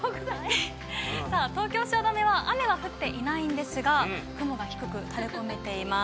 東京・汐留は雨は降っていないんですが、雲が低く垂れこめています。